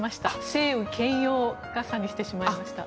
晴雨兼用傘にしてしまいました。